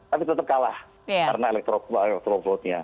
tapi tetap kalah karena electoral vote nya